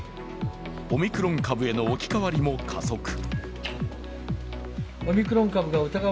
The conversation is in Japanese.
オミクロン株への置き換わりも加速。